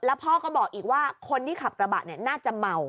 แล้วพ่อก็บอกอีกว่าคนที่ขับกระบะน่าจะเมา